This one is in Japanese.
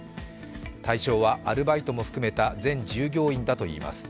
対象はアルバイトも含めた全従業員だといいます。